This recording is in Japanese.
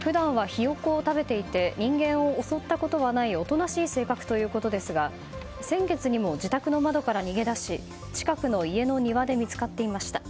普段はヒヨコを食べていて人間を襲ったことはないおとなしい性格ということですが先月にも自宅の窓から逃げ出し近くの家の庭で見つかっていました。